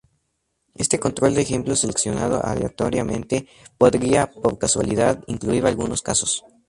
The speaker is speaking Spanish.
Este control de ejemplo seleccionado aleatoriamente podría, por casualidad, incluir algunos casos.